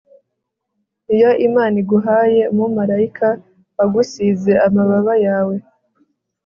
iyo imana iguhaye umumarayika, wagusize amababa yawe